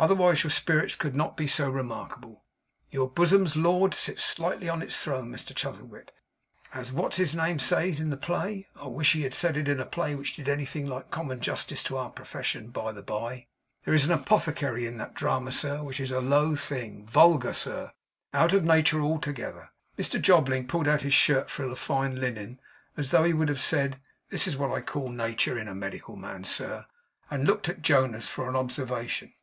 Otherwise your spirits could not be so remarkable. Your bosom's lord sits lightly on its throne, Mr Chuzzlewit, as what's his name says in the play. I wish he said it in a play which did anything like common justice to our profession, by the bye. There is an apothecary in that drama, sir, which is a low thing; vulgar, sir; out of nature altogether.' Mr Jobling pulled out his shirt frill of fine linen, as though he would have said, 'This is what I call nature in a medical man, sir;' and looked at Jonas for an observation.